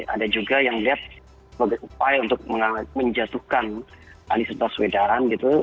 ada juga yang lihat sebagai upaya untuk menjatuhkan alis perswedaran